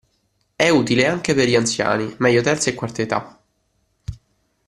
È utile anche per gli anziani (meglio Terza e Quarta età).